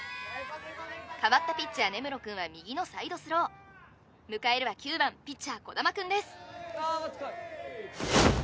かわったピッチャー根室くんは右のサイドスロー迎えるは９番ピッチャー児玉くんです・さあバッチコイ！